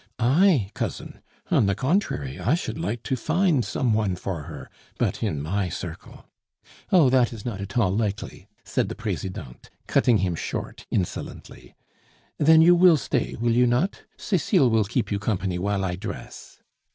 "I, cousin? On the contrary, I should like to find some one for her; but in my circle " "Oh, that is not at all likely," said the Presidente, cutting him short insolently. "Then you will stay, will you not? Cecile will keep you company while I dress.